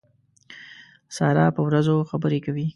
سارا په وروځو خبرې کوي.